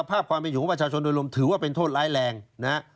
ภาพความเป็นอยู่ของประชาชนโดยรวมถือว่าเป็นโทษร้ายแรงนะฮะ